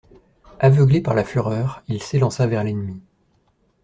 Aveuglé par la fureur, il s'élança vers l'ennemi.